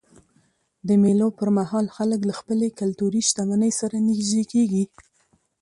د مېلو پر مهال خلک له خپلي کلتوري شتمنۍ سره نيژدې کېږي.